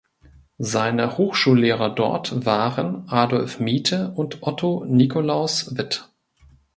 Seine Hochschullehrer dort waren Adolf Miethe und Otto Nikolaus Witt.